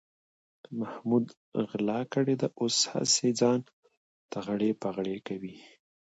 محمود غلا کړې ده، اوس هسې ځان تغړې پغړې کوي.